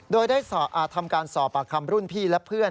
โดยได้ทำการสอบปากคำรุ่นพี่และเพื่อน